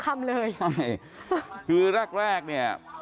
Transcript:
เก่งมากเลยน้ะเร็วจ้ะ